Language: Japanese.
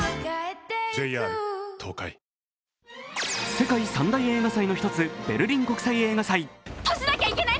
世界三大映画祭の１つベルリン国際映画祭。